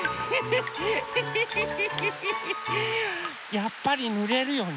やっぱりぬれるよね。